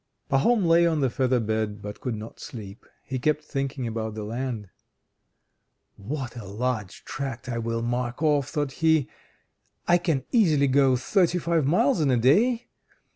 VII Pahom lay on the feather bed, but could not sleep. He kept thinking about the land. "What a large tract I will mark off!" thought he. "I can easily go thirty five miles in a day.